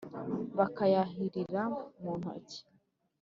Bakayáahirira muu ntoki